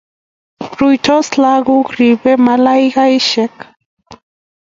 Ruitos lagok ribei malaikaisiek